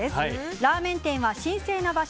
ラーメン店は神聖な場所。